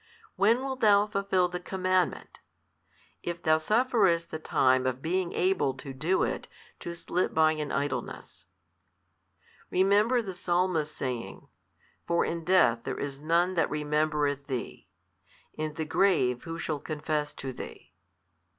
when wilt thou fulfil the commandment, if thou sufferest the time of being able to do it to slip by in idleness? Remember the Psalmist saying. For in death there is none that remembereth Thee: in the grave who shall confess to Thee?